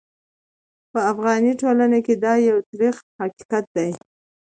په افغاني ټولنه کې دا یو ترخ حقیقت دی.